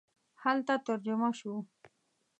هلته ترجمه شو.